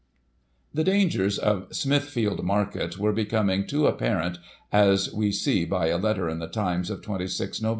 The dangers of Smithfield Market were becoming too ap parent, as we see by a letter in the Times of 26 Nov.